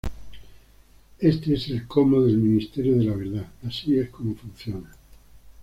Este es el "cómo" del Ministerio de la Verdad, así es como funciona.